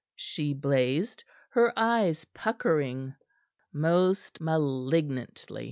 she blazed, her eyes puckering most malignantly.